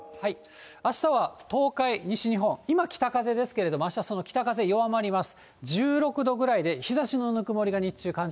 あしたは東海、西日本、今、北風ですけれども、あしたその北風弱まります。